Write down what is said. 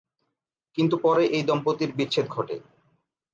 কিন্তু পরে এই দম্পতির বিচ্ছেদ ঘটে।